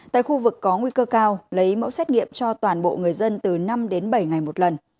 tại khu vực có nguy cơ cao lấy mẫu xét nghiệm cho toàn bộ người dân từ năm đến bảy ngày một lần